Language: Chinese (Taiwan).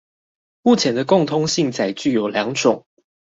目前的共通性載具有兩種